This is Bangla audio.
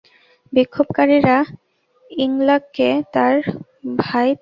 বিক্ষোভকারীরা ইংলাককে তাঁর ভাই থাকসিন সিনাওয়াত্রার হাতের পুতুল হিসেবে চিহ্নিত করে থাকেন।